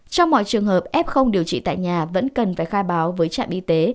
trong mọi trường hợp f điều trị tại nhà vẫn cần phải khai báo với trạm y tế